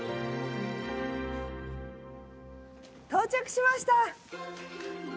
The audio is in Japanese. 到着しました。